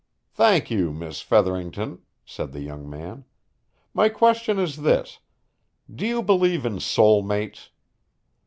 "Thank you, Miss Featherington," said the young man. "My question is this: Do you believe in soul mates?